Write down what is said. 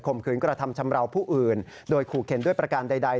มขืนกระทำชำราวผู้อื่นโดยขู่เข็นด้วยประการใด